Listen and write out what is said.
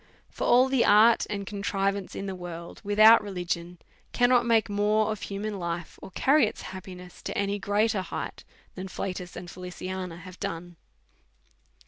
For all the art and contrivance in the world, without religion, cannot make mere of human life, or carry its happiness to any greater height, than Flatus or Feliciana have done.